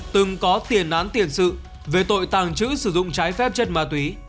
từng có tiền án tiền sự về tội tàng trữ sử dụng trái phép chất ma túy